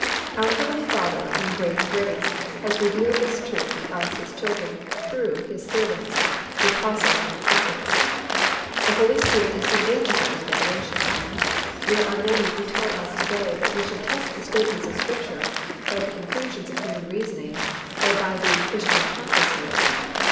Our heavenly Father, in great grace, has revealed this truth to us His children through His servants, the apostles and the prophets. The Holy Spirit is the agent of this revelation. There are many who tell us to day that we should test the statements of Scripture by the conclusions of human reasoning or by the "Christian consciousness."